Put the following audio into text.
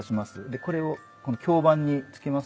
でこれを響板に付けますと。